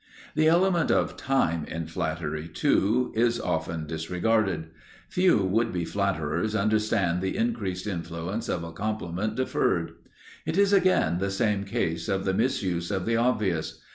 The element of time, in flattery, too, is often disregarded. Few would be flatterers understand the increased influence of a compliment deferred. It is again the same case of the misuse of the obvious.